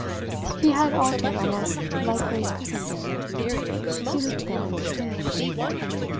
He had altered almost like Grace Brissenden he looked fairly distinguished.